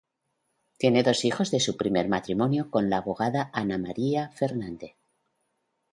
Tiene dos hijos de su primer matrimonio con la abogada Ana María Fernández.